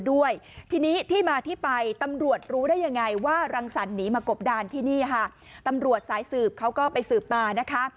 ว่ารังสันหนีมากบดานที่นี่ค่ะตำรวจสายสืบเขาก็ไปสืบมานะคะ